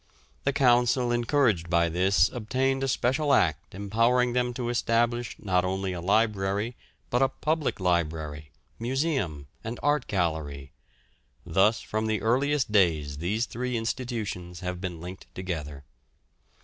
The Council encouraged by this obtained a special act empowering them to establish not only a library, but a public library, museum, and art gallery thus from the earliest days these three institutions have been linked together.